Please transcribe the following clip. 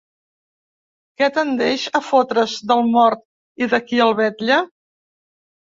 Que tendeix a fotre's del mort i de qui el vetlla.